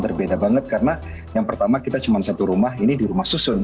berbeda banget karena yang pertama kita cuma satu rumah ini di rumah susun